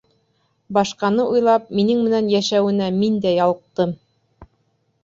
Башҡаны уйлап, минең менән йәшәүенә мин дә ялҡтым.